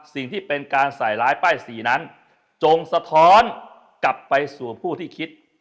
สิ่งที่เป็นการใส่ร้ายป้ายสีนั้นจงสะท้อนกลับไปสู่ผู้ที่คิด